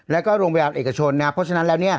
และก็โรงพยาบาลเอกชนเพราะฉะนั้นแล้ว